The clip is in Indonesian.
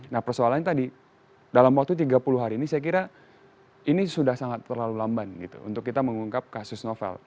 nah persoalannya tadi dalam waktu tiga puluh hari ini saya kira ini sudah sangat terlalu lamban gitu untuk kita mengungkap kasus novel